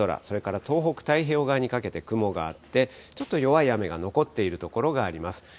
それから東北太平洋側にかけて雲があって、ちょっと弱い雨が残っている所があります。